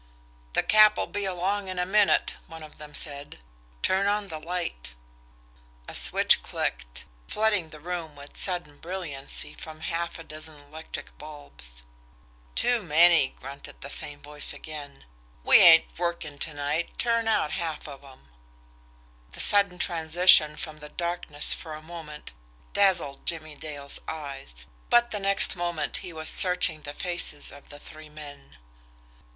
"The Cap'll be along in a minute," one of them said. "Turn on the light." A switch clicked, flooding the room with sudden brilliancy from half a dozen electric bulbs. "Too many!" grunted the same voice again. "We ain't working to night turn out half of 'em." The sudden transition from the darkness for a moment dazzled Jimmie Dale's eyes but the next moment he was searching the faces of the three men.